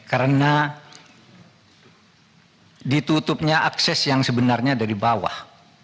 karena ditutupnya akses yang sebenarnya dari bawah